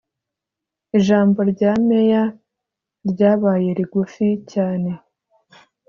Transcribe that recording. Ijambo rya Meya ryabaye rigufi cyane